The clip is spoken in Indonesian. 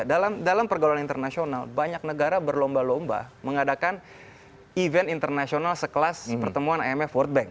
di negara negara yang berjalan internasional banyak negara berlomba lomba mengadakan event internasional sekelas pertemuan imf world bank